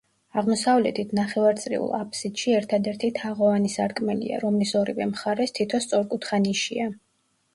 აღმოსავლეთით, ნახევარწრიულ აფსიდში ერთადერთი თაღოვანი სარკმელია, რომლის ორივე მხარეს თითო სწორკუთხა ნიშია.